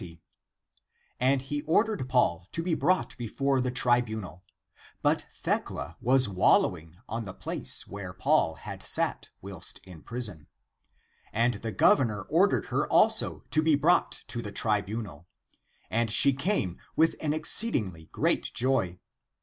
And he ordered Paul to be brought before the tribunal ; but Thecla was wallowing on the place where Paul had sat whilst in prison. And the Gov 22 THE APOCRYPHAL ACTS ernor ordered her also to be brought to [the trib unal], and she came with an exceedingly great joy.